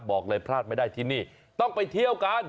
บอกเลยพลาดไม่ได้ที่นี่ต้องไปเที่ยวกัน